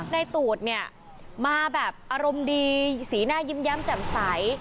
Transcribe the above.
ในตูดมาแบบอารมณ์ดีสีหน้ายิ้มจำใส